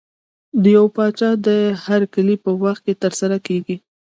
د یو پاچا د هرکلي په وخت کې ترسره کېږي.